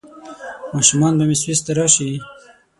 ماشومان به مې سویس ته راشي؟